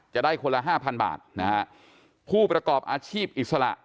จะได้คนละห้าพันบาทนะฮะผู้ประกอบอาชีพอิสระ